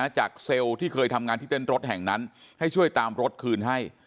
เซลล์ที่เคยทำงานที่เต้นรถแห่งนั้นให้ช่วยตามรถคืนให้